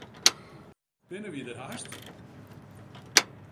Binne wy der hast?